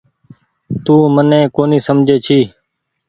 تو مني ڪونيٚ سمجھي ڇي۔